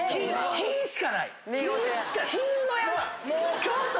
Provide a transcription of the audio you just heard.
品しかない。